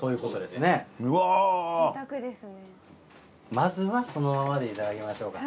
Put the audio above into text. まずはそのままでいただきましょうか。